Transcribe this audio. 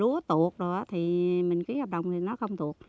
lúa tuột rồi thì mình ký hợp đồng thì nó không thuộc